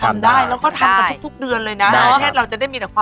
ทำได้แล้วก็ทำกันทุกเดือนเลยนะ